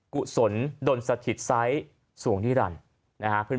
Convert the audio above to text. กุศลดนสถิตไซต์ส่วงนิรันดิ์